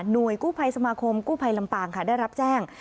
โดยกู้ภัยสมาคมกู้ภัยลำปางค่ะได้รับแจ้ง